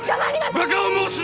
バカを申すな！